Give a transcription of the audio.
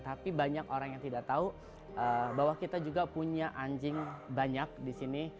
tapi banyak orang yang tidak tahu bahwa kita juga punya anjing banyak di sini